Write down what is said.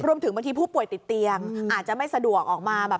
รวมถึงบางทีผู้ป่วยติดเตียงอาจจะไม่สะดวกออกมา